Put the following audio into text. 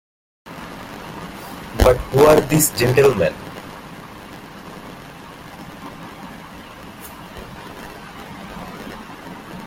But who are these gentlemen?